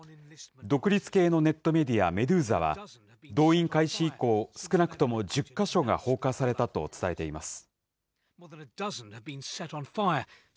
独立系のネットメディア、メドゥーザは、動員開始以降、少なくとも１０か所が放火されたと伝えています。